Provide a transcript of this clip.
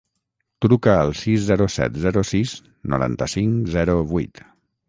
Truca al sis, zero, set, zero, sis, noranta-cinc, zero, vuit.